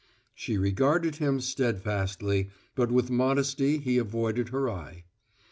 She regarded him steadfastly, but with modesty he avoided her eye.